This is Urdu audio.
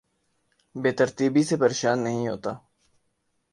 بے ترتیبی سے پریشان نہیں ہوتا